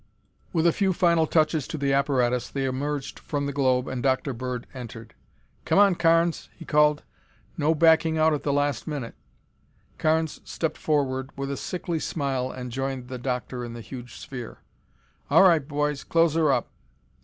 With a few final touches to the apparatus they emerged from the globe and Dr. Bird entered. "Come on, Carnes," he called. "No backing out at the last minute." Carnes stepped forward with a sickly smile and joined the Doctor in the huge sphere. "All right, boys; close her up."